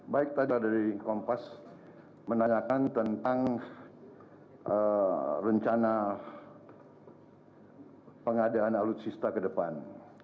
baik tadi dari kompas menanyakan tentang rencana pengadaan alutsista ke depan